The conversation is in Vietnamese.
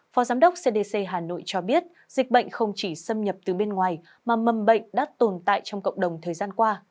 phó giám đốc cdc hà nội cho biết dịch bệnh không chỉ xâm nhập từ bên ngoài mà mầm bệnh đã tồn tại trong cộng đồng thời gian qua